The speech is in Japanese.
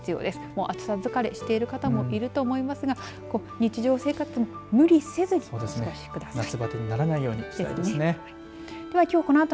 もう暑さ疲れしている方もいると思いますが日常生活も無理せずお過ごしください。